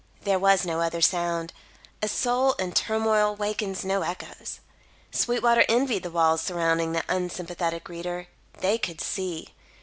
There was no other sound; a soul in turmoil wakens no echoes. Sweetwater envied the walls surrounding the unsympathetic reader. They could see.